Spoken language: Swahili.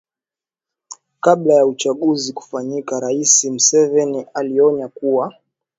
kabla ya uchaguzi kufanyika rais museveni alionya kuwa